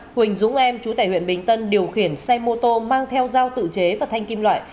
huỳnh dũng em chú tại huyện bình tân điều khiển xe mô tô mang theo dao tự chế và thanh kim loại